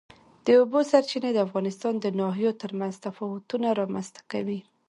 د اوبو سرچینې د افغانستان د ناحیو ترمنځ تفاوتونه رامنځ ته کوي.